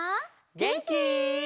げんき？